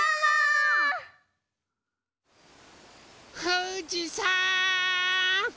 ふじさん！